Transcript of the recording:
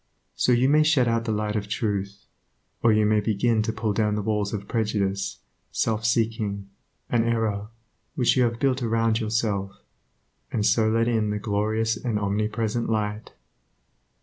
So you may shut out the light of Truth, or you may begin to pull down the walls of prejudice, self seeking and error which you have built around yourself, and so let in the glorious and omnipresent Light.